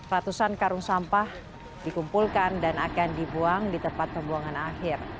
ratusan karung sampah dikumpulkan dan akan dibuang di tempat pembuangan akhir